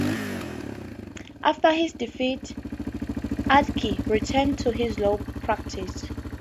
After his defeat, Atkey returned to his law practice.